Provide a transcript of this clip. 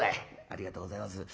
「ありがとうございます。